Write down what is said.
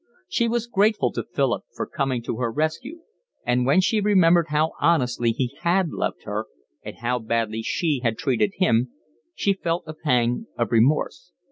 She was grateful to Philip for coming to her rescue, and when she remembered how honestly he had loved her and how badly she had treated him, she felt a pang of remorse.